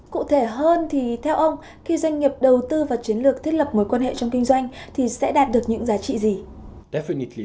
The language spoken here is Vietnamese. cụ thể hơn thì theo ông khi doanh nghiệp đầu tư vào chiến lược thiết lập mối quan hệ trong kinh doanh thì sẽ đạt được những giá trị gì